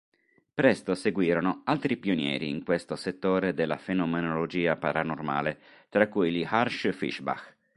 Presto seguirono altri pionieri in questo settore della fenomenologia paranormale tra cui gli Harsch-Fischbach.